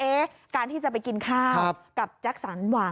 เอ๊ะการที่จะไปกินข้าวกับแจ๊กสารหวัง